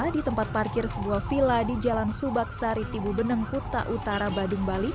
di tempat parkir sebuah villa di jalan subak sari tibu beneng kuta utara badung bali